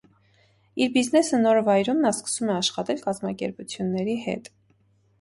Իր բիզնեսը նոր վայրում նա սկսում է աշխատել կազմակերպությունների հետ։